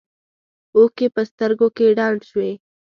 اوښکې په سترګو کې ډنډ شوې.